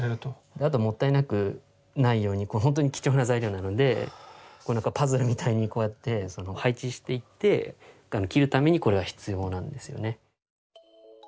あともったいなくないようにこれほんとに貴重な材料なのでパズルみたいにこうやって配置していって切るためにこれは必要なんですよね。